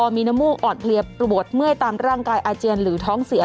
มีน้ำมูกอ่อนเพลียปวดเมื่อยตามร่างกายอาเจียนหรือท้องเสีย